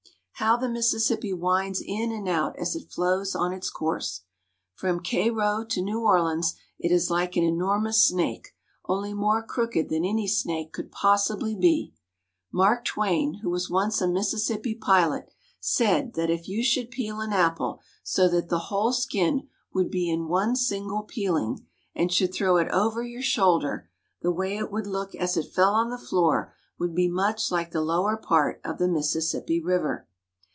How the Mississippi winds in and out as it flows on its course ! From Cairo to New Orleans it is like an enormous snake, only more crooked than any snake could possibly be. Mark Twain, who was once a Mississippi pilot, said that if you should peel an apple so that the whole skin woul'd be in one single peeling, and should throw it over your shoul 154 THE MISSISSIPPI. der, the way it would look as it fell on the floor would be much like the lower part of the Mississippi River.